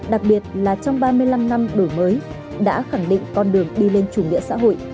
đặc biệt là trong ba mươi năm năm đổi mới đã khẳng định con đường đi lên chủ nghĩa xã hội